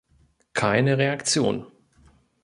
Keine Reaktion.